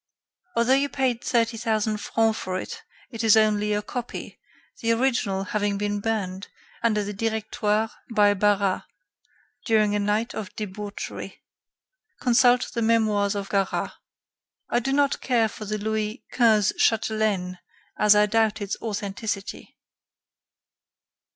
Although you paid thirty thousand francs for it, it is only a copy, the original having been burned, under the Directoire by Barras, during a night of debauchery. Consult the memoirs of Garat. "I do not care for the Louis XV chatelaine, as I doubt its authenticity."